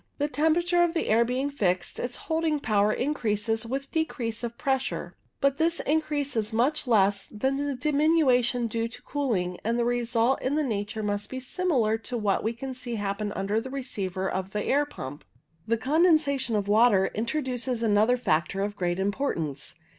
The temperature of the air being fixed, its holding power increases with decrease of pressure. But this increase is much less than the diminution due to cooling, and the result in nature must be similar to what we can see happen under the receiver of the air pump. The condensation of water introduces another factor of great importance.